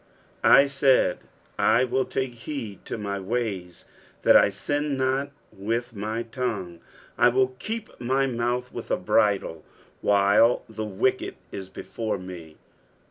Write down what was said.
I SAID, I will take heed to my ways, that I sin not with lO)^ tongue : I will keep my mouth with a bridle, while thewicked is before me.